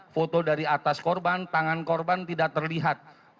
foto dari atas korban tangan korban tidak terlihat